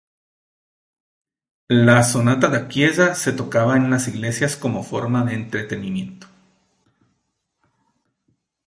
La "sonata da chiesa" se tocaba en las iglesias como forma de entretenimiento.